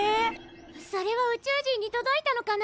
それは宇宙人に届いたのかな？